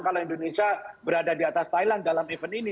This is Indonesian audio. kalau indonesia berada di atas thailand dalam event ini